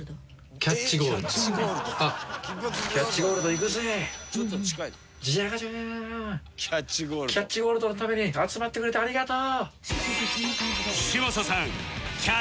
キャッチゴールドのために集まってくれてありがとう！